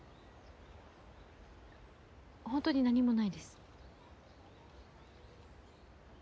ほんとに何もないです。